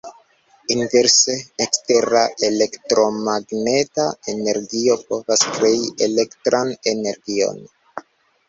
Inverse, ekstera elektromagneta energio povas krei elektran energion.